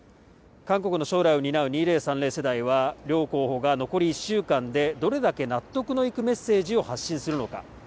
韓国の将来を担う２０３０世代は両候補が残り１週間でどれだけ納得のいくメッセージを発信するのか